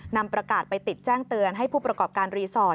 นำประกาศไปติดแจ้งเตือนให้ผู้ประกอบการรีสอร์ท